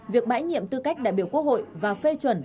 việc bãi nhiệm tư cách đại biểu quốc hội và phê chuẩn